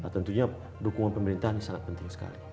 tentunya dukungan pemerintah ini sangat penting sekali